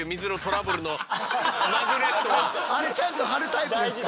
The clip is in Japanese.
あれちゃんと貼るタイプですか？